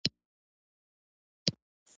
تر څو وروسته پاتې هیوادونه وتړل شي.